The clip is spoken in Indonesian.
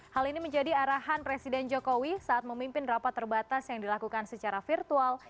hal ini menjadi arahan presiden jokowi saat memimpin rapat terbatas yang dilakukan secara virtual